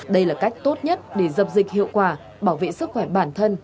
đây là cách tốt nhất để dập dịch hiệu quả bảo vệ sức khỏe bản thân